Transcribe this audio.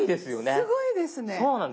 すごいですね。